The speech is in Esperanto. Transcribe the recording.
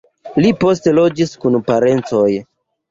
Li poste loĝis kun parencoj.